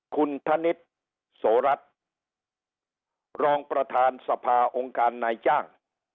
คุณธนิษฐ์โสรัสรองประธานสภาองค์การนายจ้าง